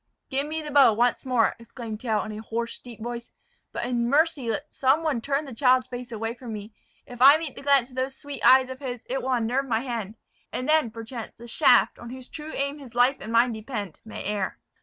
"Give me the bow once more!" exclaimed Tell, in a hoarse, deep voice; "but in mercy let some one turn the child's face away from me. If I meet the glance of those sweet eyes of his, it will unnerve my hand; and then, perchance, the shaft, on whose true aim his life and mine depend, may err."